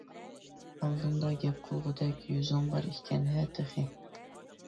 ئالدىمدا گەپ قىلغۇدەك يۈزۈڭ بار ئىكەن ھە تېخى؟ !